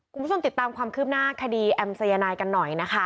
คุณผู้ชมติดตามความคืบหน้าคดีแอมสายนายกันหน่อยนะคะ